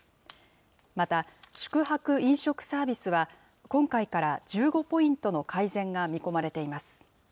また、宿泊・飲食サービスは、今回から１５ポイントの改善が見込まれています。